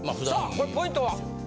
これポイントは？